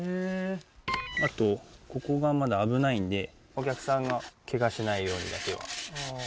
あと、ここがまだ危ないんで、お客さんがけがしないようにだけは。